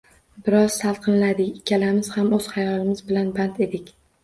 Biroz salqinladik. Ikkalamiz ham oʻz xayolimiz bilan band edik.